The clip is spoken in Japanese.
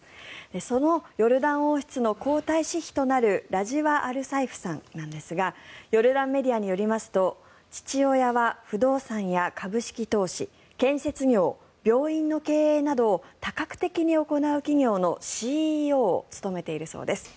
そのヨルダン王室の皇太子妃となるラジワ・アル・サイフさんですがヨルダンメディアによりますと父親は不動産や株式投資建設業、病院の経営など多角的に行う企業のＣＥＯを務めているそうです。